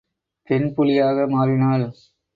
பெண் புலியாக மாறினாள்.